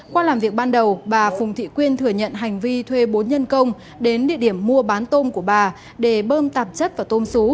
qua làm việc ban đầu bà phùng thị quyên thừa nhận hành vi thuê bốn nhân công đến địa điểm mua bán tôm của bà để bơm tạp chất vào tôm xú